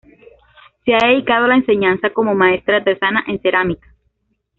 Se ha dedicado a la enseñanza como maestra artesana en cerámica.